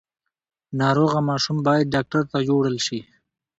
ناروغه ماشوم باید ډاکټر ته یووړل شي۔